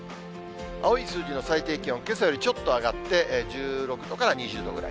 青い数字の最低気温、けさよりちょっと上がって１６度から２０度ぐらい。